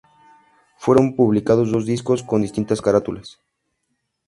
Fueron publicados dos discos con distintas carátulas.